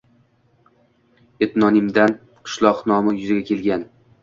Etnonimdan qishloq nomi yuzaga kelgan.